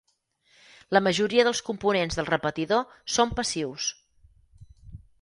La majoria dels components del repetidor són passius.